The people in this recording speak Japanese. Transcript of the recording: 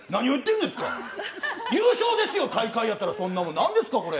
優勝ですよ、大会やったら、なんですか、それ。